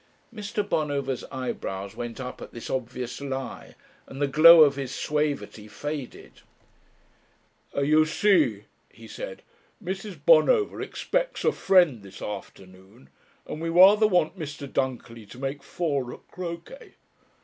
Mr. Bonover's eyebrows went up at this obvious lie, and the glow of his suavity faded, "You see," he said, "Mrs. Bonover expects a friend this afternoon, and we rather want Mr. Dunkerley to make four at croquet...."